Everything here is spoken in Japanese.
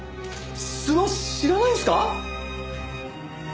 知らないんすか？